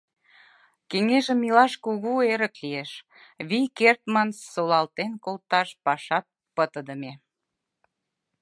Кеҥежым илаш кугу эрык лиеш; вий кертмын солалтен колташ пашат пытыдыме.